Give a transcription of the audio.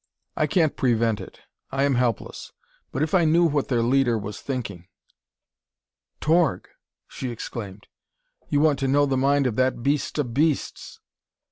I can't prevent it; I am helpless! But if I knew what their leader was thinking " "Torg!" she exclaimed. "You want to know the mind of that beast of beasts!"